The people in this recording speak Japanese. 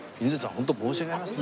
本当申し訳ありません